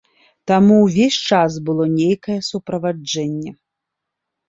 Таму ўвесь час было нейкае суправаджэнне.